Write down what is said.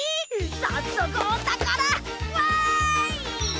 さっそくおたから！わい！